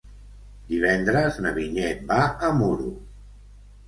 Divendres na Vinyet va a Muro.